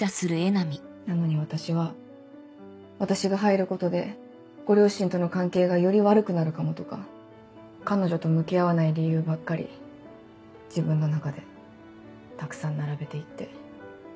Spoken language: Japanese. なのに私は私が入ることでご両親との関係がより悪くなるかもとか彼女と向き合わない理由ばっかり自分の中でたくさん並べていって。